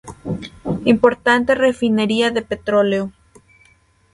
Importante refinería de petróleo.